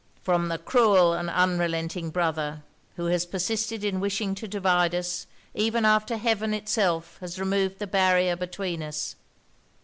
'From the cruel and unrelenting brother, who has persisted in wishing to divide us, even after heaven itself has removed the barrier between us.'